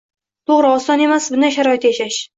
To`g`ri, oson emas bunday sharoitda yashash